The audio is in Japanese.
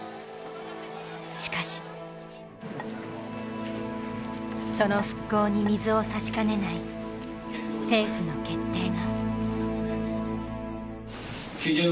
しかしその復興に水を差しかねない政府の決定が。